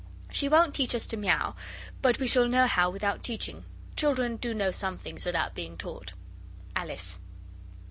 She won't teach us to mew, but we shall know how without teaching. Children do know some things without being taught. ALICE.